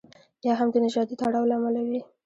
یا هم د نژادي تړاو له امله وي.